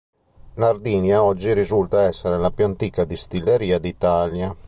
Nardini a oggi risulta essere la più antica distilleria d'Italia.